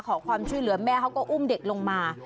ขอความช่วยเหลือแม่เขาก็อุ้มเด็กลงมา